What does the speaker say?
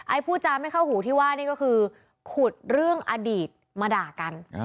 พูดจาไม่เข้าหูที่ว่านี่ก็คือขุดเรื่องอดีตมาด่ากัน